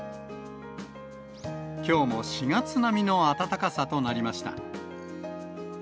きょうも４月並みの暖かさとなりました。